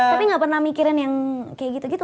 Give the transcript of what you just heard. tapi gak pernah mikirin yang kayak gitu gitu